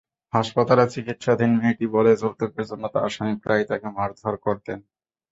হাসপাতালে চিকিৎসাধীন মেয়েটি বলে, যৌতুকের জন্য তার স্বামী প্রায়ই তাকে মারধর করতেন।